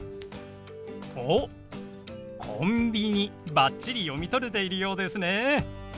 おっコンビニバッチリ読み取れているようですね。